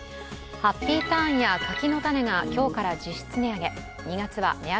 ハッピーターンや柿の種が今日から実質値上げ。